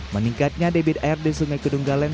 meningkatnya debit air di sungai kedung galeng